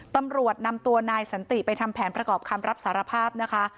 ตำรวจนำตัวนายสันติไปทำแผนประกอบคำรับสารภาพนะคะ